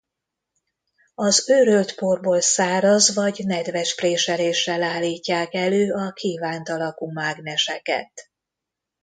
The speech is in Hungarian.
Az őrölt porból száraz vagy nedves préseléssel állítják elő a kívánt alakú mágneseket.